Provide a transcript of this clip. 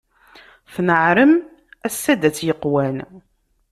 Tneɛrem a saddat yeqqwan.